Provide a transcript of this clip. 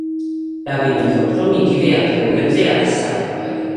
დავინახოთ, რომ იგივე ათეულებზე არის საუბარი.